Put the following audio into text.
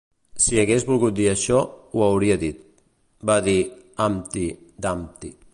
"Si hagués volgut dir això, ho hauria dit", va dir Humpty Dumpty.